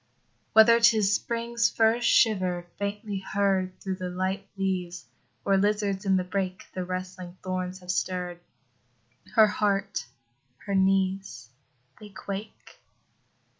Whether 'tis Spring's first shiver, faintly heard Through the light leaves, or lizards in the brake The rustling thorns have stirr'd, Her heart, her knees, they quake.